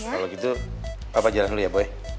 kalau gitu papa jalan dulu ya boy